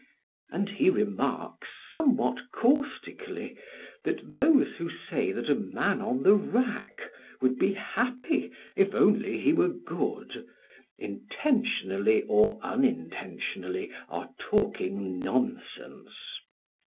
] and he remarks, somewhat caustically, that those who say that a man on the rack would be happy if only he were good, intentionally or unintentionally are talking nonsense.